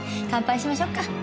乾杯しましょっか。